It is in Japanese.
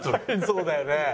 そうだよね。